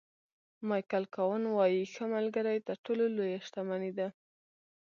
مایکل کاون وایي ښه ملګری تر ټولو لویه شتمني ده.